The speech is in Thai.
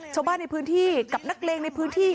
ชาวบ้านในพื้นที่กับนักเลงในพื้นที่